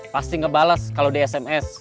pasti ngebalas kalau di sms